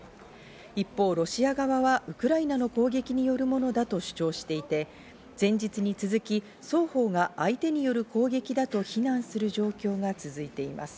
一方、ロシア側はウクライナの攻撃によるものだと主張していて前日に続き双方が相手による攻撃だと非難する状況が続いています。